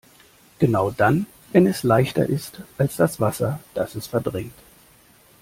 Genau dann, wenn es leichter ist als das Wasser, das es verdrängt.